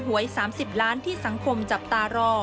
หวย๓๐ล้านที่สังคมจับตารอ